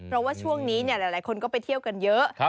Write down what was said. เพราะว่าช่วงนี้หลายคนก็ไปเที่ยวกันเยอะ